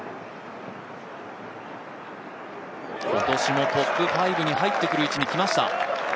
今年もトップ５に入ってくる位置に来ました。